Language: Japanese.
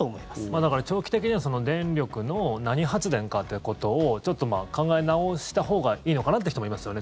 だから、長期的には電力の何発電かということをちょっと考え直したほうがいいのかなという人もいますよね。